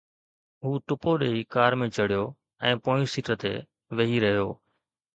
هو ٽپو ڏئي ڪار ۾ چڙهيو ۽ پوئين سيٽ تي ويهي رهيو.